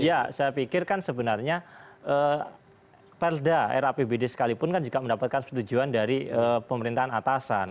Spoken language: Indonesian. ya saya pikir kan sebenarnya perda era apbd sekalipun kan juga mendapatkan persetujuan dari pemerintahan atasan